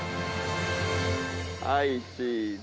はいチーズ。